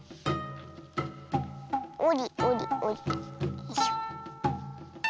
よいしょ。